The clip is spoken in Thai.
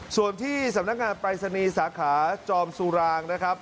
ส่วนที่สำนักงานปรายศนีย์สาขาจอมสุรางนะครับ